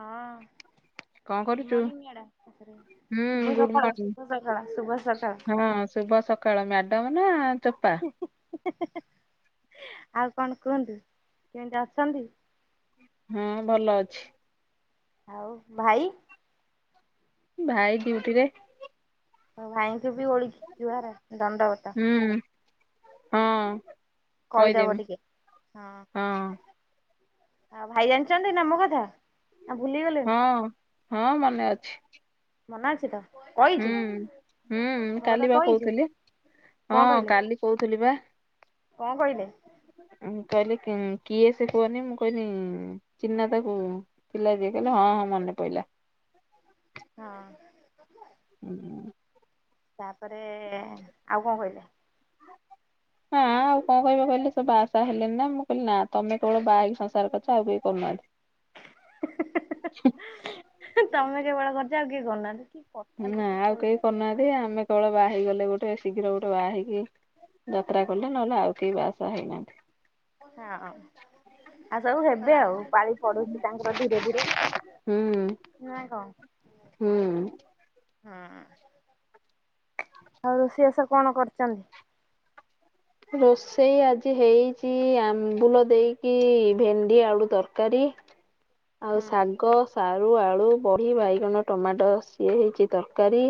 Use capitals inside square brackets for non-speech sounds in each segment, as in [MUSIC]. ହଁ କଣ ଗୁଡ କରୁଛୁ? ମନିଂ ମାଡାମ ହୁଁ ଶୁଭ ଗୁଡ୍ ସକାଳ ମର୍ଣ୍ଣିଂ। ଶୁଭ ସକାଳ ଶୁଭ ହଁ ସକାଳ ଶୁଭ ସକାଳ ମ୍ୟାଡମ ନା ଚୋପା ଆଉ କଣ କୁହନ୍ତୁ କେମିତି ଅଛନ୍ତି। ହଁ ଭଲ ଅଛି ଆଉ ଭାଇ ଭାଇ ଡିଉଟିରେ ଆଉ ଭାଇଙ୍କୁ ବି ଓଳକି ଜୁହାର ଦଣ୍ଡବତ ହୁଁ ହଁ କହିଦବ କହିଦେମି ଟିକେ ହଁ ଆଉ ଭାଇ ଜାଣିଛନ୍ତି ନା ମୋ କଥା ଆ ଭୁଲି ଗଲେଣି ହଁ ହଁ ମନେ ଅଛି। ମନେ ଅଛି ତ, କହିଛୁ ହୁଁ ହୁଁ ମୋ କଥା କାଲି ବା କହିଛୁ କହୁଥିଲି ହଁ କାଲି କହୁଥିଲିବା। କଁ କହିଲେ? ଉଁ କହିଲେ କିଏସେ କୁହନି ମୁଁ କଇଁନି ଚିହ୍ନା ତାକୁ ଥିଲାଯିଏ କହିଲା ହଁ ହଁ ମନେ ପଇଁଲା। ହଁ। ହୁଁ। ତାପରେ ଆଉ କଁ କହିଲା? ହଁ କଣ କହିବ କହିଲେ ସେ ବା ଶା ହେଲେନିନା ମୁଁ କହିଲି ନା ତମେ କେବଳ ବାହାହେଇକି ସଂସାରିଚ ଆଉ କେହି କରୁନାହାନ୍ତି। [UNINTELLIGIBLE] ତମେ କେବେଳ କରିଚ ଆଉ କିଏ କରୁନାହାନ୍ତି। କଥା ଲୋ ନା ତୁ ଆଉ କହୁଛୁ କେହି କରିନାହାନ୍ତି ଆମେ କେବଳ ବାହା ହେଇଗଲେ ଗୋଟେ ଶୀଘ୍ର ଗୋଟେବା ହେଇକି ଯାତ୍ରା କଲେ ନହେଲେ ଆଉ କେହି ବାହାସାହା ହେଇନାହାନ୍ତି। ହଁ ଆଉ ସବୁ ହେବେ ଆଉ ପାଳି ପଢୁଚି ତାଙ୍କର ଧୀରେ ଧୀରେ। ହୁଁ ନ କଣ। ହୁଁ। ହୁଁ ଆଉ ରୋଷେଇ ବାସ କଣ କରିଚନ୍ତି? ରୋଷେଇ ଆଜି ହେଇଚି ଆମ୍ବୁଲ ଦେଇକି ଭେଣ୍ଡି ଆଳୁ ତରକାରୀ [INAUDIBLE] ଆଉ ହୁଁ ଶାଗ ସାରୁ ଆଳୁ ବଢ଼ି ବାଇଗଣ ଟମାଟୋ ସିଏ ହେଇଚି ତରକାରୀ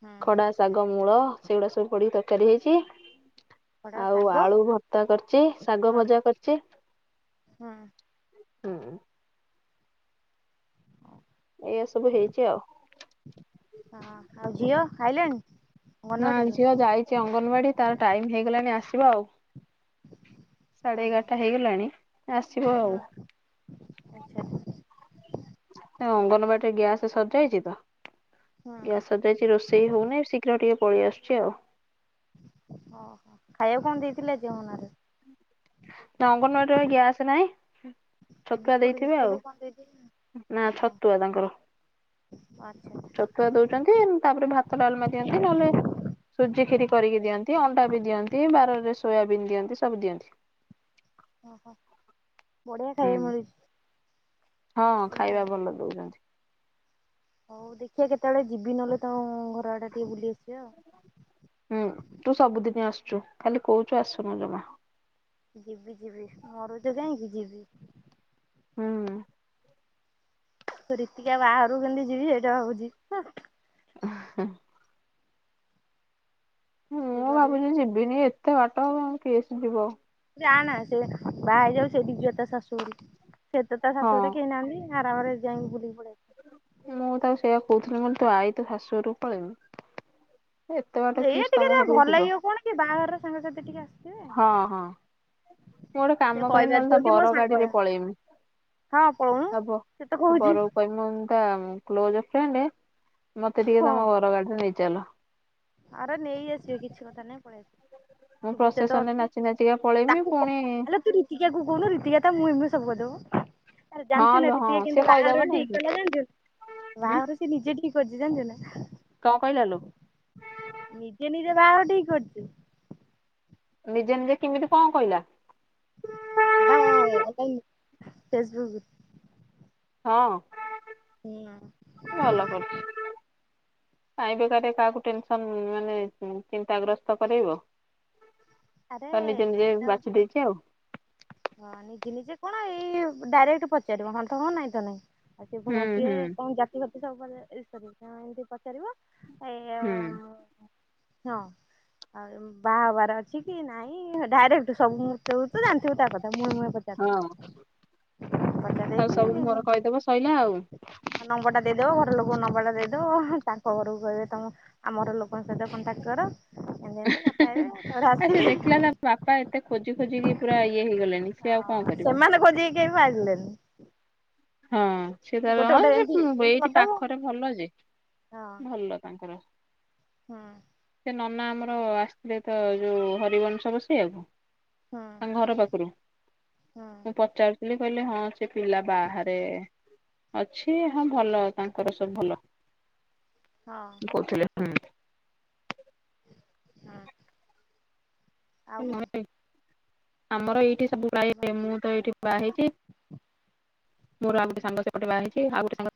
ହୁଁ ଖଡ଼ା ଶାଗ ମୂଳ ସେଗୁଡ଼ା ସବୁ ପଡ଼ିକି ତରକାରୀ ହେଇଚି ଖଡା ଆଉ ଶାଗ ଆଳୁ ଭତ୍ତା କରିଚି ଶାଗ ମୂଳ ଭଜା କରିଚି ହୁଁ ହୁଁ। ଏଇଆ ସବୁ ହେଇଚି ଆଉ। ହଁ ଆଉ ଝିଅ ଖାଇଲାଣୀ? ନା ଝିଅ ଯାଇଚି ଅଙ୍ଗନବାଡ଼ି ତାର ଟାଇମ୍ ହେଇଗଲାଣି ଆସିବ ଆଉ। ସାଢ଼େ ଓହୋ ଏଗାରଟା ହେଇଗଲାଣି ଆସିବ ଆଉ। ହଁ ଆଚ୍ଛା। ହଉ ଆଉ ଅଙ୍ଗନବାଡ଼ିରେ ଗ୍ୟାସ୍ ସରିଯାଇଚିତ ହୁଁ ଗ୍ୟାସ୍ ସରିଯାଇଚି ରୋଷେଇ ହଉନି ଶି ଘ୍ରର ଟିକେ ପେଳିଆସୁଚି ଆଉ। ଓହୋ ଖାଇବାକୁ କଣ ଦେଇଥିଲେ ଆଜି ଅଙ୍ଗନବାଡ଼ିରେ? ନା ଅଙ୍ଗନବାଡ଼ିରବା ଗ୍ୟାସ୍ ନାହିଁ। ଆ ଛତୁଆ ବିସ୍କୁଟ୍ ଦେଇଥିବେ ଆଉ ଫିସ୍କୁଟ୍ ନା କଁ ଓହୋ ଛତୁଆ ଆଚ୍ଛା। ୁଆ ଦଉଚନ୍ତି ତାପରେ ଭାତ ଡାଲମା ଦିଅନ୍ତି ନହେଲେ ସୁଜି କ୍ଷୀରି କରିକି ଦିଅନ୍ତି ଅଣ୍ଡାବି ଦିଅନ୍ତି ବାରରେ ସୋୟାବିନ୍ ଦିଅନ୍ତି ସବୁ ଦିଅନ୍ତି। ଓହୋ ବଢ଼ିଆ ହୁଁ ଖାଇବା ମିଳୁଚି। ହଁ ଖାଇବା ଭଲ ଦଉଚନ୍ତି। ହଉ ଦେଖିଆ କେତେବେଳେ ଯିବି ନହେଲେ ତମ ଘର ଆଡ଼େ ଟିକେ ବୁଲି ଆସିବା ଆଉ। ହୁଁ ତୁ ସବୁଦିନି ଆସୁଚୁ ଖାଲି କହୁଚୁ ଆସୁନୁ ଜମା। ଯିବି ଯିବି ମରୁଚୁ କାହିଁକି ଯିବି। ହୁଁ। ରୀତିକା ବାହାରୁକୁ କେମିତି ଯିବି ସେଇଟା ଭାବୁଚି। [UNINTELLIGIBLE] ଇଏ ମୁଁ କରିବି ଭାବୁଚି ଯିବିନି ଏତେ ବାଟ କିଏସେ ଯିବ। ଯାଆନା ସେ ବାହା ହେଇଯାଉ ସେଦି୍ୟ ତା ଶାଶୁଘରକୁ ସିଇତ ତା ହଁ ଶାଶୁଘରେତ କେହି ନାହାନ୍ତି। ଆରାମରେ ଯାଇକି ବଲିକି ପଳେଇ ମୁଁ ତାକୁ ସେଇଆ କହୁଥିଲି କହିଲି ତୁଆଈ ତ ଶାଶୁଘରକୁ ପଳେଇମି ଏତେ ବାଟ ଆସିବା ଫିସ୍ ଏଇଆ ତମ ଟିକେ ଘରକୁ ଭଲ ଯିବ। ଲାଗିବ କଣ କି ବାହାଘର ସାଙ୍ଗସାଥି ଟିକେ ଆସିଥିବେ ‌ ହଁ ହଁ। ମୁଁ ଗୋଟେ ସେ କାମ କରମି ନହେଲେ ତା କହିପାରୁଥିବ କି ମୋ ବର ଗାଡି ସାଙ୍ଗ ରେ ପଳେଇମି ହଁ ପଳଉନୁ, ସେ ତ କହୁଛି କହିବି ମୁଁ ତା କ୍ଲୋଜ ଫ୍ରେଣ୍ଡ, ମତେ ଟିକେ ତମ ଘର ଗାଡିରେ ନେଇଚାଲ। ଆର ନେଇ ଆସିବେ, କିଛି କଥା ନାଇଁ ପଳେଇ ଆସିବ। ମୁଁ ସୁବିଧା ତ ପ୍ରସେସନରେ ଅଛି। ନାଚି ନାଚିକା ପଳେଇମି ତାକୁ ପୁଣି କ ତୁ ରୀତିକାକୁ କହୁନୁ ରୀତିକା ତ ମୁଁହେ ମୁଁହେ ସବୁ କରିଦବ ‌। ଆରେ ହଁ ଜାଣିଛୁ ନା ଲୋ ହଁ ରୀତି ସିଏ କିନ୍ତୁ କହିଦବ ବାହାଘର ନାଇଁ ଠିକ୍ କି କଲା ଜାଣିଛୁ? ଉଁ ବାହା ସେ ନିଜେ ଠିକ୍ କରିଛି ଜାଣିଛୁ ନା କଣ କହିଲା ଲୋ? ନିଜେ ନିଜ ବାହାଘର ଠିକ କରିଛି। ନିଜେ ନିଜେ କେମିତି କଣ କହିଲା? ସେଟା ଅ ଅଲଗାଇ ଫେସବୁକ ରୁ। ହଁ। ହୁ ଅଁ ଭଲ କରଛି। କାଇଁ ବେକାରରେ କାହାକୁ ଟେନସନ ମାନେ ଚିନ୍ତାଗ୍ରସ୍ତ କରାଇବ। ଆରେ ତ ନିଜେ ନିଜେ ଚିନ୍ତା ବାଛି ଦେଇେଛି ଆଉ। ହଁ ନିଜେ ନିଜେ କଣ ଏଇ ଡାଇରେକ୍ଟ ପଚାରିବ ହଁ ତ ହଁ, ନାଇଁ ତ ନାଇଁ। ଆଉ ସିଏ ପୁଣି ହୁଁ ହୁଁ ଆସିବେ କଣ ଜାତି ପାତି ସବୁ ପରେ ଏମିତି ପଚାରିବ। ଏ ଯଉ ହୁଁ ହଁ ଆଉ ବାହା ହେବାର ଅଛି କି ନାଇଁ ଡାଇରେକ୍ଟ ସବୁ ମୃତ୍ୟବୃତ ଜାଣିଥିବୁ ତା କଥା ମୁହେଁ ମୁହେଁ କଥା କହେ। ତାର ସବୁ ମୁହଁରେ କହିଦବ ଶଇଲା ଆଉ। ନମ୍ବର ଟା ଦେଇଦବ, ଘର ଲୋକଙ୍କୁ ନମ୍ବର ଟା ଦେଇଦବ, ତାଙ୍କ ଘରକୁ କହିବେ ତମ ଆମର ଲୋକଙ୍କ ସହିତ କଣ୍ଟାକ୍ଟ କର। ଏମିତି ଏମତି କଥା ହେବେ ଆ ସେ ଆସିବେ ଦେଖିଲା ତା ବାପା ଏତେ ଖୋଜି ଖୋଜିିକି ପୁରା ଇଏ ହେଇଗଲେଣି। ସିଏ ଆଉ କଣ ହଁ କରିବ। ସେମାନେ ଖୋଜିକି କେହି ପାରିଲେନି। ହଁ। ସେ ତାର ଗୋଟେ ଗୋଟେ ହଁ ସେ ଏମିତି ଏମିତି ଏଇଠି କରିଦବ ହଁ। ପାଖରେ ଭଲ ଯେ, ଭଲ ତାଙ୍କର। ହୁଁ। ସେ ନନା ଆମର ଆସିଥିଲେ ତ ଯୋଉ ହରିବଂଶ ବସେଇିବାକୁ ହୁଁ ତାଙ୍କ ଘର ପାଖରୁ। ହୁଁ ମୁଁ ପଚାରୁଥିଲି କହିଲେ ହଁ ସେ ପିଲା ବାହା ଏ ଅଛି ହଁ ଭଲ ତାଙ୍କର ସବୁ ଭଲ। ହଁ। କହୁଥିଲେ ହୁଁ ହୁଁ। ନହ ଆମର ଏଇଠି ସବୁ ଗ ମୁଁ ତ ଏଇଠି ବା ହେଇଛି [UNINTELLIGIBLE] ମୋ ଆଉ ଗୋଟ ସାଙ୍ଗ ସେ ପଟେ ବାହା ହେଇଛି ‌। ଆଉ ଗୋଟ ସାଙ୍ଗ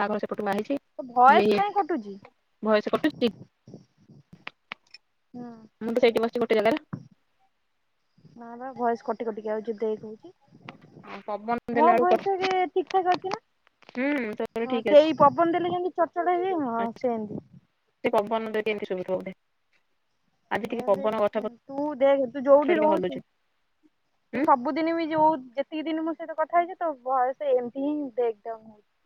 ତା ଘର ସେପଟୁ ବାହାହେଇଛି, ତୋ ଭଏସ ଇଏଇ କାହିଁ କଟୁଛି? ଘୟସେ କଟୁଚି ହୁଁ। ହଁ ତ ସେଠି ବସି ଉଠେଇ ଦେଲା [INAUDIBLE] ନା ବା ବୟସ କଟି କଟିକେ ଆଉ ଯୁଦ୍ଧ ହେଇ କହୁଛି, ପବନ ମୋ ଦେଲା ବେଳକୁ ବୟସ ଏ ଠିକ ସେ ଧରିଥିଲା। ହୁଁ ତୋର ହଁ ଠିକ ସେଇ ପବନ ଦେଲେ ଯେମିତି ଚଡଚଡ ହଇଏ ହଁ ଅଛି। ସେମିତି ସେ କଥା ହଉନଥିବ ଏଠି ଏମିତି ସୁବିବ ବୋଲି ତାହେଲେ ତୁ ଦେଖେ ତୁ ପତ୍ର ଯେଉଠି ଟିକେ ହଲୁଛି ରହୁଛୁ ତୁ ହୁଁ ସବୁଦିନ ବି ଯୋଉ ଯେତିକି ଦିନ ମୋ ସହିତ କଥା ହେଇଚୁ ତୋ ଭଏସ୍ ଏମିତି ହିଁ ବ୍ରେକଡାଉନ ହୋଉଛି।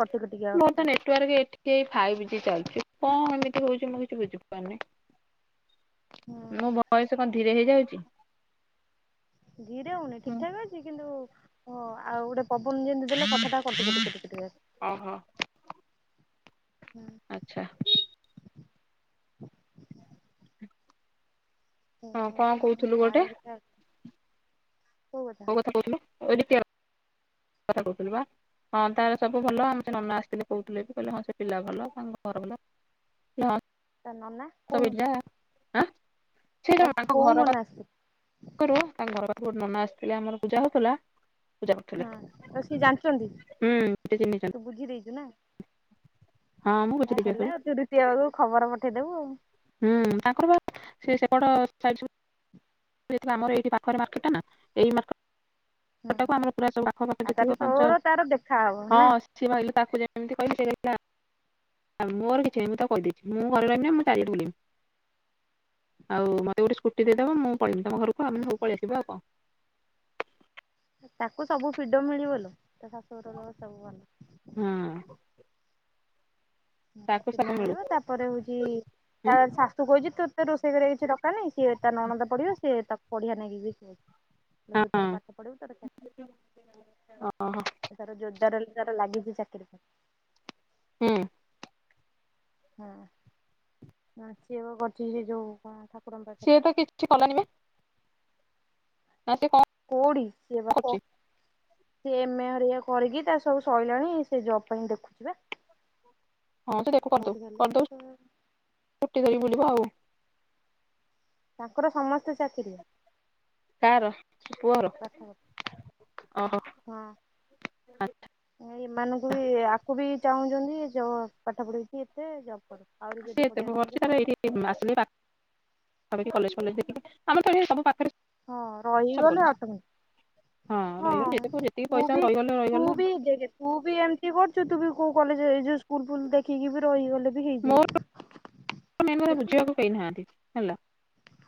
କଟି କଟି କା ଆସୁଛି। ଟୁଆର୍କ ଏଠିକି ଏଇ ଫାଇବି ଜି ଚାଲିଛି କଣ ଏମିତି ହଉଛି ମୁଁ କିଛି ବୁଝି ପାରୁନି। ମୋ ହୁଁ ଭଏସେ କଣ ଧୀରେ ହେଇଯାଉଛି? ଧିରେ ହଉନି ଠିକ ହୁଁ ଠାକ ଅଛି କିନ୍ତୁ ହଁ ଆଉ ଗୋଟେ ପବନ ଯେମିତି ଦେଲେ କଥାଟା କଟି କଟି କଟି କଟି କା ଆସୁଛି। ଓହୋ। ଆସୁଛି। ଆଚ୍ଛା। ହଁ ସେଇଆ କଣ ହଉଛି ଆଉ କହୁଥିଲୁ ସାର ଗୋଟେ? ହଉ କୋଉ କହୁଥିଲୁ [INAUDIBLE] କହୁଥିଲୁ ବା ହଁ ତାର ସବୁ ଭଲ ଆମ ସେ ନନା ଆସିଥିଲେ କହୁଥିଲେ ବି କହିଲେ ହଁ ସେ ପିଲା ଭଲ ତାଙ୍କ ଘର ଭଲ। ହଁ ତା ନନା [INAUDIBLE] କୋଉ ନନା ଆଁ? ତା ସେଟା ୟାଙ୍କ କୋଉ ଘର [INAUDIBLE] ନନା ଆସିଛି ଖରୁ ତାଙ୍କ ଘର ପାଖରୁ ଗୋଟେ ନନା ଆସିଥିଲେ ଆମର ପୂଜା ହଉଥିଲା ପୂଜା କରୁଥିଲେ ହଁ ତ ସିଏ ଜାଣିଛନ୍ତି। ହୁଁ ସେ ଚିହ୍ନିଛନ୍ତି ତୁ ବୁଝି ଦେଇେଇଛୁ ନା? ହଁ ମୁଁ ଆ ବୁଝିଲି ଝିଅ ହେଲା ସବୁ ଆଉ ତୁ ଦୁତୀୟା ବେଳକୁ ଖବର ପଠେଇଦବୁ ଆଉ। ହୁଁ ତାଙ୍କର ବା ସେ ସେପଟ ସାଇଡ ସବୁ [INAUDIBLE] ଆମର ଏଇ ପାଖରେ ମାର୍କେଟ ଟା ନା ଏଇେ ମାର୍କ ହୁଁ ସେଟାକୁ ଆମର ପୁରା ସବୁ ପାଖ ପାଖ ଆଉ ତାହେଲେ ଯେତିକ ପାଞ୍ଚ ତୋର ତାର ଦେଖା ହବ ହଁ ନା ସିଏ ମାଗିଲି ତାକୁ ଯେମିତି କହିଲି ସେ କହିଲା ଆଉ ମୋର କିଛିନାହିଁ ମୁ ତାକୁ କହିଦେଇଛି ମୁଁ ଘରେ ରହିବିନି ମୁଁ ଚାରି ଆଡ଼େ ବୁଲିବି। ଆଉ ମତେ ଗୋଟେ ସ୍କୁଟି ଦେଇଦବ ମୁଁ ପଳେଇମି ତମ ଘରକୁ ଆମେ ସବୁ ପଲେଈଆସିବା ଆଉ କଣ। ତାକୁ ସବୁ ଫ୍ରିଡମ ମିଳିିବ ଲୋ ତା ଶାଶୁଘର ଲୋକ ସବୁ ଭଲ। ହଁ। ହ ତାକୁ ସବୁ ଫ୍ରିଡମ ମିଳୁ ମିଳିବ ତାପରେ ହଉଛି ଉଁ ତା ଶାଶୁ କହିଛି ତୋତେ ରୋଷେଇ କରିବା କିଛି ଦକାର ନାହିଁ, ସିଏ ତା ନଣନ୍ଦ ପଢ଼ିବ ସିଏ ତାକୁ ପଢିଆ ନାକି ବି ହିଲା ତୁ ତୋର ହଁ ପାଠ ପଢିବୁ ତୋର ଚାକି, ଓହୋ ସେ ତାର ଯୋଦାର ଦାର ଲାଗିଛି ଚାକିରି ପାଇଁ। ହଁ ହଁ ନା ସିଏ ପା କରୁଛି ସେ ଯୋଉ କଣ ଥା ସିଏ ତ କିଛି କଲାନି ବା। ନା ସେ କଣ କୋଉଡ଼ି ସେ ପା ପ କରୁଛି ସିଏ ଏମେ ହେରିଆ କରିକି ତା ସବୁ ସଇଲାଣି ସେ ଜବ ପାଇଁ ଦେଖୁଛି ବା। ହଁ ସେ ଦେଖୁ କରିଦଉ କୋଉଠି ହେଲେ କରିଦଉ ପଇସା ସ୍କୁଟି ଧରିକି ବୁଲିବ ଆଉ। ତାଙ୍କର ସମସ୍ତେ ଚାକିରିଆ। କାର ପୁଅର ପାଠ [UNINTELLIGIBLE] ଆ ଓହୋ ହଁ। ଏମାନଙ୍କୁ ବି ଆକୁ ବି ଚାହୁଁଛନ୍ତି ଜ ପାଠ ପଢିଛି ଏତେ ଜବ୍ କରୁ। ଆହୁରି ଆଉ ଯଦି ସେ ପଢିବାକୁ ଏତକ ଚାହୁଁଛି କରିଛି ପଢ ତାକୁ ଏଇଠି [INAUDIBLE] କଲେଜ ଫଲେଜ ଦେଖିକି ଆମର ତ ଏଠି ସବୁ ପାଖରେ ସୁ ହଁ ରହିଗଲେ ଅଟମେ। ହଁ ରହିଗଲେ ଯେତେ ଯେତିକି ତୁ ପଇସା ବି ରହିଗଲେ ତୁ ରହିଗଲା ବି ଦେଖେ। ତୁ ବି ଏମିତି କରୁଛୁ ତୁ ବି କୋଉ କଲେଜରେ ଏଇ ଯୋଉ ସ୍କୁଲ, ଫୁଲ ଦେଖିକି ବି ରହିଗଲେ। ସେତିକି ମୋର ହେଇଯିବ ମେନ୍ କଥା ସେତିକି। ବୁଝିବାକୁ କେହି ନାହାନ୍ତି ହେଲା।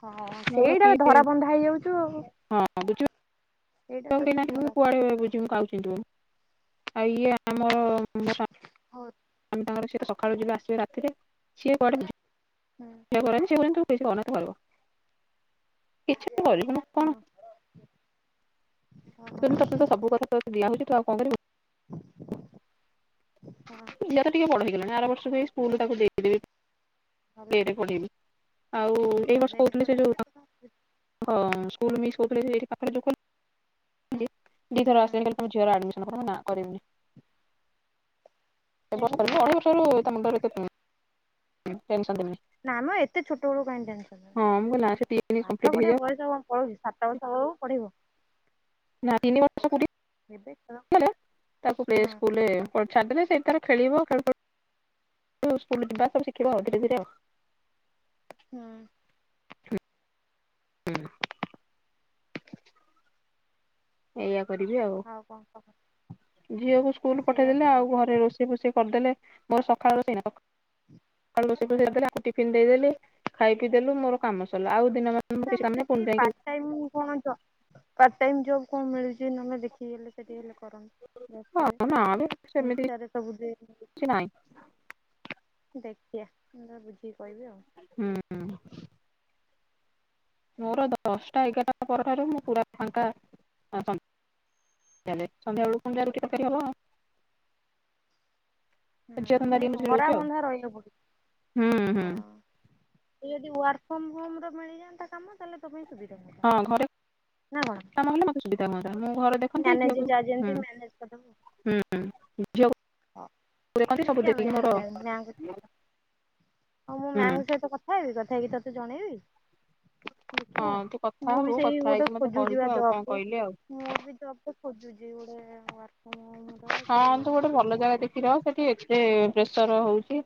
ହଁ ମୋର ସେଇଟା ବା କିଏ ଧରା ବନ୍ଧା ହେଇଯାଉଛୁ ଆଉ। ହଁ ହଁ ବୁଝୁଲୁ। ସେଇଟା ତତେ କେନାକ ଧରା କୁଆଡ଼େ ବୁଝୁ ମୁଁ କାଉଛନ୍ତି ଆଉ ଇଏ ଆମର ମୋ ସ୍ୱାମୀ। ହୋଲ୍। ଆମେ ତାଙ୍କର ସିଏ ତ ସକାଳୁ ଯିବେ ଆସିବେ ରାତିରେ ସିଏ କୁଆଡ଼େ ନାହିଁ। ହୁଁ। ସେ ତୁ କିଛି କରନା ତୁ ଘରେ ବ କିଛି ତ କରିବୁ ନା କ'ଣ। ହଁ ହଁ ଶୁଣୁ ତୋତେ ତ ସବୁ କଥା ତ ଦିଆ ହଉଛି ତୁ ଆଉ କ'ଣ କରିବୁ। ହଁ ପିଲା ତ ଟିକେ ବଡ ହେଇଗଲାଣି ଆର ବର୍ଷ ପାଇଁ ସ୍କୁଲ ତାକୁ ଦେଇଦେବି। ହଁ ତେରେ ପଳେଇବି ଆଉ ଏଇ ହଁ ବର୍ଷ ସେଇଠି କହୁଥିଲି ସେ ପଢା ଯୋଉ ହୁଁ କାହିଁକି ହଁ ସ୍କୁଲ ମିସ୍ କହୁଥିଲେ ଏଠି ଯୋଉ ପାଖରେ କଲି ଦିଥର ଆସିଲି ତମ ଝିଅ ର ଆଡିମିଶନ କର ନା କରିିବିନି। ଏ ବର୍ଷରୁ ଅଢେଇ ବର୍ଷ ରୁ ତା ମୁଣ୍ଡରେ କେତେ ବୁଦ୍ଧି ଟେନସନ ଦେବି। ନା ମ ଏତେ ଛୋଟ ବେଳୁ କାହିଁ ଟେନସନ୍ ମୁଁ କହିଲି ଦେବି ନା ସେ ତିନି ପାଠ କମ୍ପ୍ଲିଟ ପଢ଼ିବା ହେଇଯାଉ ବୟସ କ'ଣ ପଳଉଛି। ସାତ ବର୍ଷ ହଉ ପଢିବ। ନା ତିନି ବର୍ଷ ପୁରି ଏବେ ଖେଳ ଗଲା ତାକୁ ପ୍ଲେ ହୁଁ ସ୍କୁଲ ରେ। ପ ଛାଡ଼ିଦେଲେ ସେଇଠି ତାର ଖେଳିବ ଖେଳ ସ୍କୁଲ ଯିବା ସବୁ ଶିଖିବ ଆଉ ଧୀରେ ଧୀରେ ଆଉ। ହୁଁ। ଆଉ ଏଇଆ କରିବି ଆଉ। ହଉ କ'ଣ କହ। ଝିଅକୁ ହଁ ସ୍କୁଲ ସେଇଆ ପଠେଇଦେଲେ କହ। ଆଉ ଘରେ ରୋଷେଇ, ଫୋଷେଇ କରିଦେଲେ ମୋର ସକାଳ ସେଇ [UNINTELLIGIBLE] ସକାଳୁ ରୋଷେଇ କରି ଦେଲି ଆଙ୍କୁ ଟିପିନି ଦେଇଦେଲି ଖାଇ ପିଇ ଦେଲୁ ମୋର କାମ ସରିଲା ଆଉ ଦିନ ମାନ। ମୋର କିଛି ଆମ କାମ ନାହିଁ ସେଠି ପୁଣି ଯାଇକି ପାଟ ଟାଇମ୍ କ'ଣ ଜବ ପାଟ ଟାଇମ୍ ଜବ କ'ଣ ମିଳୁଛି ନ ହେଲେ ଦେଖି। ସିଏ ହେଲେ ସେଠି ହେଲେ କରନ୍ତୁ ଯାଜପୁରରେ। ହଁ ନା ବେ ସେମିତି ଇଷ୍ଟାରେ ସବୁ ଦେଇଦେଲି। କିଛି ନାହିଁ ଦେଖିଆ ମୁଁ ତତେ ବୁଝିକି କହିବି ଆଉ। ହୁଁ ଉଁ। ମୋର ଦଶଟା, ଏଗାରଟା ପରଠାରୁ ମୁଁ ପୁରା ଫାଙ୍କା ସନ୍ଧ୍ୟା। ଚାଲେ ସନ୍ଧ୍ୟବେଳୁ ପୁଣି ଯାହା ରୁଟି ତରକାରୀ ହବ। ଝିଅ ଧନ୍ଦା ହୁଁ ଏ ଟିକେ ମଝିରେ ଧରା ରହୁଛି ଆଉ ବନ୍ଧା ରହିଲେ କୋଉଠି ହୁଁ ହଁ। ହୁଁ ସିଏ ଯଦି ୱାର୍କ ଫ୍ରମ ହୋମ ର ମିଳିଯାଆନ୍ତା କାମ। ତାହେଲେ ତୋ ପାଇଁ ସୁବିଧା ନୁହୁ। ହଁ ଘରେ କାମ ହେଲେ ମୋତେ ସୁବିଧା ହୁଅନ୍ତା ମୁଁ ଘରଟେ। ମ୍ୟାନେଜେ ଯାହା ଯେମିତି ମ୍ୟାନେଜେ କରି ଦବୁ। ହୁଁ ଝିଅକୁ ଦେଖନ୍ତି ସବୁ ଦେଖିବା ଦେଖିକି ମ୍ୟାମ ମୋର ହୁଁ। ହଁ ମୁଁ ମ୍ୟାମ୍ ଙ୍କ ସହିତ କଥା ହେବି କଥା ହେଇକି ତତେ ଜଣେଇବି। ଦେଖିଆ ହଁ ତୁ କଥା ମୁଁ ବି ହବୁ ସେଇ କଥା ଗୋଟେ ହେଇକି ମତେ ଖୋଜୁଛି ବା କହିବୁ ଆଉ କଣ ଜବକୁ। କହିଲେ ଆଉ ମୋର ବି ଜବ୍ ଟେ ଖୋଜୁଛି ଗୋଟେ ୱାର୍କ ଫର ହୋମ ର ହଁ କି ତୁ ଗୋଟେ ଇଏ। ଭଲ ଜାଗା ଦେଖି ରହ ସେଠି ଏତେ ପ୍ରେସର ହଉଛି।